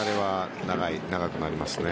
長くなりますね。